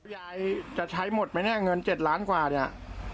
ยายจะใช้หมดไหมเนี่ยเงิน๗ล้านกว่าเนี่ย